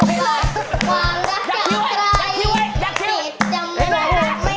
พี่รักคุณได้ก็จะปิดปากเดี๋ยวคุณรักก่อน